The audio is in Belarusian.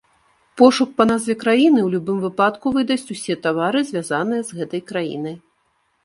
Пошук па назве краіны ў любым выпадку выдасць усе тавары, звязаныя з гэтай краінай.